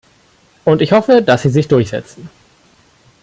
Und ich hoffe, dass Sie sich durchsetzen.